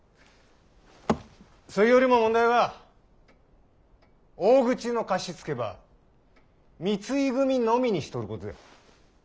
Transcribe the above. そいよりも問題は大口の貸し付けば三井組のみにしとるこつや。